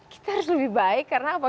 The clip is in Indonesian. kita harus lebih baik karena apa